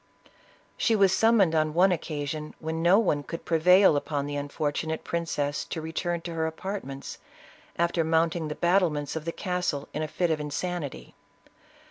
She was sum moned, on one occasion, when no one could prevail upon the unfortunate princess to return to her apart ments, after mounting the battlements of the castle, in a fit of insanity.